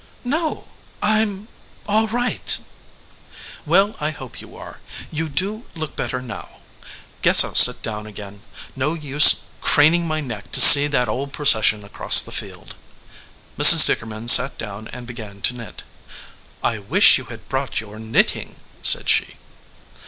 "No; I m all right." "Well, I hope you are. You do look better now. Guess I ll sit down again. No use craning my neck EDGEWATER PEOPLE to see that old procession across the field." Mrs. Dickerman sat down and began to knit. "I wish you had brought your knitting," said she.